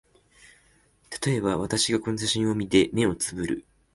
たとえば、私がこの写真を見て、眼をつぶる